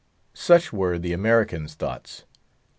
Such were the American's thoughts.